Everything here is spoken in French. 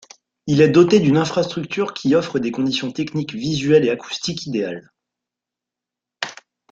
Il est doté d'une infrastructure qui offre des conditions techniques visuelles et acoustiques idéales.